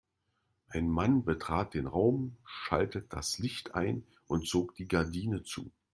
Ein Mann betrat den Raum, schaltete das Licht ein und zog die Gardinen zu.